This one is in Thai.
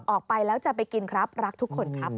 ออกไปแล้วจะไปกินครับรักทุกคนครับ